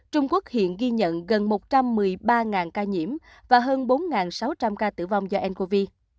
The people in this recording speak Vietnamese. trung quốc hiện ghi nhận gần một trăm một mươi ba ca nhiễm và hơn bốn sáu trăm linh ca tử vong do ncov